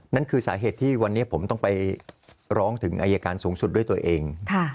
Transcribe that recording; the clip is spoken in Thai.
นั่นคือสาเหตุที่วันนี้ผมต้องไปร้องถึงอายการสูงสุดด้วยตัวเอง